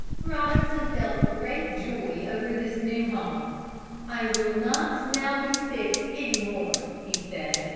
Robinson felt great joy over this new home. "I will not now be sick any more," he said.